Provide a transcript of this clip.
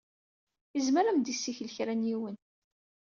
Izmer ad m-d-isel kra n yiwen.